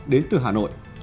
đến từ hà nội